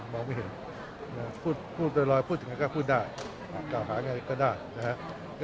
มองไม่เห็นพูดเรียบร้อยพูดอย่างไรก็พูดได้กล่าวขาอย่างไรก็ได้นะครับ